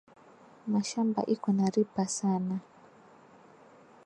Mashamba iko na ripa sana